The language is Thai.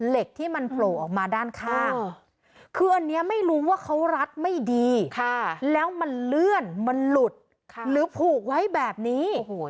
เหล็กที่มันโผล่ออกมาด้านข้างคืออันนี้ไม่รู้ว่าเขารัดไม่ดีแล้วมันเลื่อนมันหลุดหรือผูกไว้แบบนี้